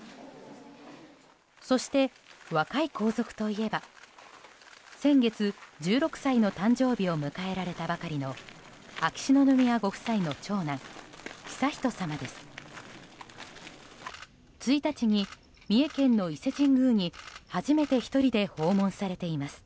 そして若い皇族といえば先月、１６歳の誕生日を迎えられたばかりの秋篠宮ご夫妻の長男・悠仁さまです。